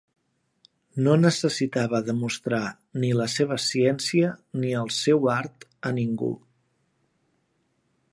No necessitava demostrar ni la seva ciència ni el seu art a ningú.